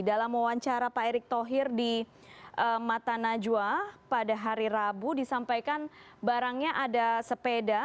dalam wawancara pak erick thohir di mata najwa pada hari rabu disampaikan barangnya ada sepeda